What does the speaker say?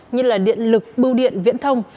như là điện lực bưu điện viễn thông